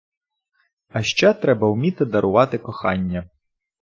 А ще треба вміти дарувати кохання.